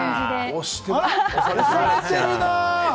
推されてるな。